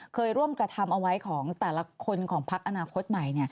เคยร่วมกระทำเอาไว้ของแต่ละคนของพักอนาคตใหม่